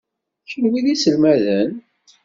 Kenwi d iselmaden?